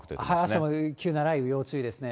あしたも急な雷雨、要注意ですね。